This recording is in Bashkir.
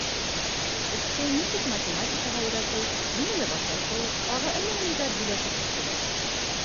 Этте нисек математикаға өйрәтеү, нимәләр ашатыу, тағы әллә ниҙәр һөйләшеп бөттөләр.